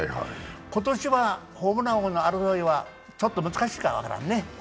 今年はホームラン王争いはちょっと難しい分からんね。